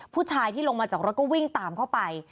ผู้ชายที่ลงมาจากรถก็วิ่งตามเข้าไป